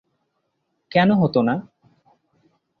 কেন হত না?